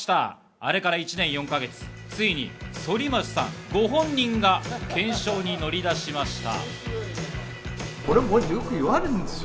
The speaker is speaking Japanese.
あれから１年４か月、ついに反町さんご本人が検証に乗り出しました。